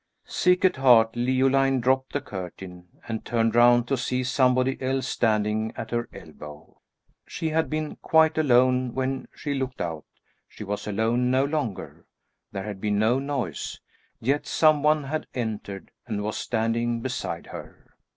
Sick at heart, Leoline dropped the curtain, and turned round to see somebody else standing at her elbow. She had been quite alone when she looked out; she was alone no longer; there had been no noise, yet some one had entered, and was standing beside her.